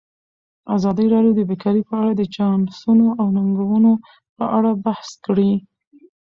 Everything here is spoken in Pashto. ازادي راډیو د بیکاري په اړه د چانسونو او ننګونو په اړه بحث کړی.